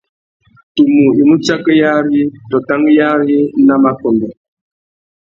Tumu i mú tsakéyari tô tanguéyari nà makôndõ.